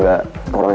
aduh aku mau pulang